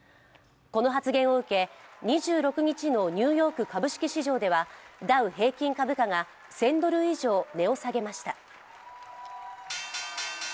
この発言を受け２６日のニューヨーク株式市場ではダウ平均株価が１０００ドル以上値を下げました。